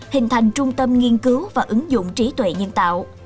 hình thành trung tâm nghiên cứu và ứng dụng trí tuệ nhân tạo